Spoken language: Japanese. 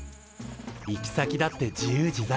行き先だって自由自在。